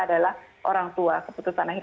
adalah orang tua keputusan akhir